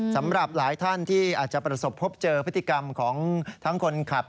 สำหรับหลายท่านที่อาจจะประสบพบเจอพฤติกรรมของทั้งคนขับ